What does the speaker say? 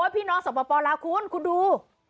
พี่น้องสปลาวคุณคุณดู